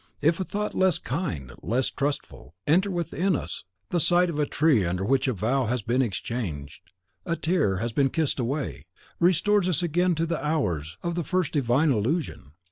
If a thought less kind, less trustful, enter within us, the sight of a tree under which a vow has been exchanged, a tear has been kissed away, restores us again to the hours of the first divine illusion.